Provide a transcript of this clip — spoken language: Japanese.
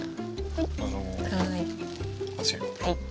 はい。